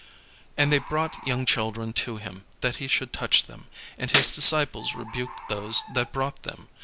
And they brought young children to him, that he should touch them: and his disciples rebuked those that brought them.